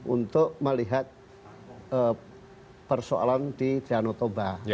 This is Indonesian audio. untuk melihat persoalan di danau toba